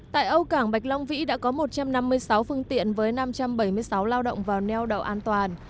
tại âu cảng bạch long vĩ đã có một trăm năm mươi sáu phương tiện với năm trăm bảy mươi sáu lao động vào neo đậu an toàn